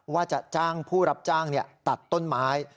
ว่าจะจ้างผู้รับจ้างตัดต้นไม้